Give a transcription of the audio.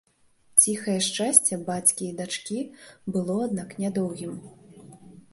Ціхае шчасце бацькі і дачкі было, аднак, нядоўгім.